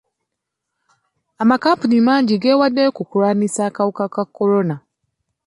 Amakampuni mangi gewaddeyo ku kulwanyisa akawuka ka kolona.